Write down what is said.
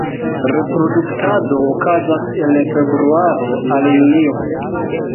Reproduktado okazas el februaro al junio.